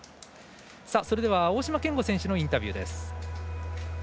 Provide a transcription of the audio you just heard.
大島健吾選手のインタビューです。